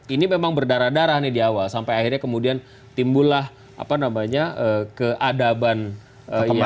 ini memang berdarah darah nih di awal sampai akhirnya kemudian timbulah keadaban yang stabil di masa depan